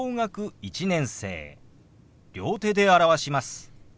両手で表します。